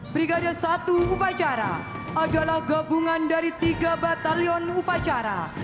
brigade satu upacara adalah gabungan dari tiga batalion upacara